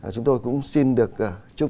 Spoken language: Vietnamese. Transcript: chúng tôi cũng xin được chúc